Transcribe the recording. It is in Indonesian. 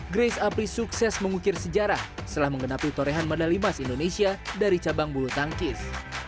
grace apri sukses mengukir sejarah setelah mengenapi torehan medalimas indonesia dari cabang bulu tangkis